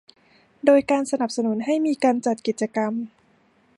โดยการสนับสนุนให้มีการจัดกิจกรรม